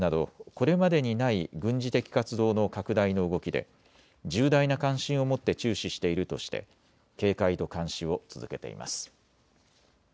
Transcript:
これまでにない軍事的活動の拡大の動きで重大な関心を持って注視しているとして警戒と監視を続けています。